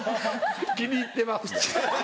気に入ってます？